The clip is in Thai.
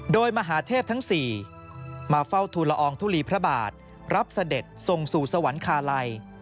โดยมหาเทพทั้ง๔มาเฝ้าทุลอองทุลีพระบาทรับเสด็จทรงสู่สวรรคาลัย